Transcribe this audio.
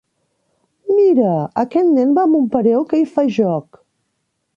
Mira, aquest nen va amb un pareo que hi fa joc.